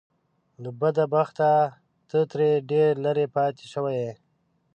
له بده بخته ته ترې ډېر لرې پاتې شوی يې .